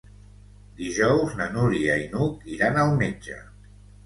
Dijous na Núria i n'Hug iran al metge.